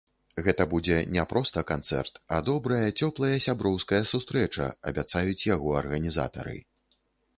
Гэта будзе не проста канцэрт, а добрая цёплая сяброўская сустрэча, абяцаюць яго арганізатары.